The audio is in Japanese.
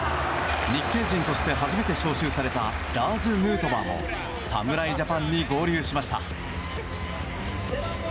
日系人として初めて招集されたラーズ・ヌートバーも侍ジャパンに合流しました。